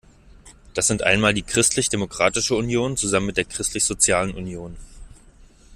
Das sind einmal die Christlich Demokratische Union zusammen mit der Christlich sozialen Union.